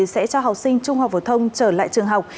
sẽ cho học sinh trung học phổ thông trở lại trường học